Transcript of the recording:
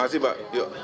makasih pak yuk